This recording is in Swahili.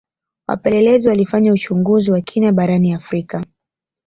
wapelelezi walifanya uchunguzi wa kina barani afrika